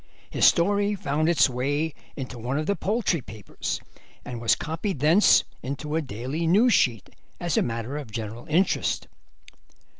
His story found its way into one of the poultry papers, and was copied thence into a daily news sheet as a matter of general interest.